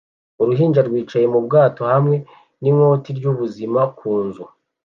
Uruhinja rwicaye mu bwato hamwe n'ikoti ry'ubuzima ku nzu